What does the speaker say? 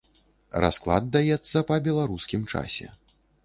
Расклад даецца па беларускім часе.